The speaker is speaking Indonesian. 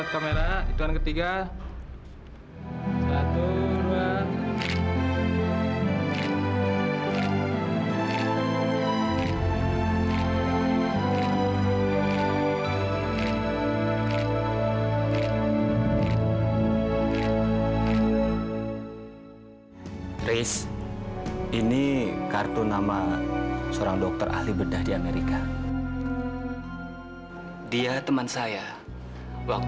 sampai jumpa di video selanjutnya